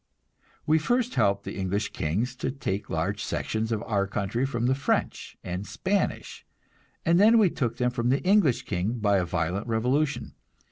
We first helped the English kings to take large sections of our country from the French and Spanish, and then we took them from the English king by a violent revolution.